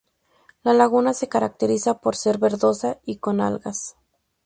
La laguna se caracteriza por ser verdosa y con algas.